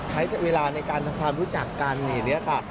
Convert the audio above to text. ใช้เวลาในการทำความรู้จักกันอย่างนี้ค่ะ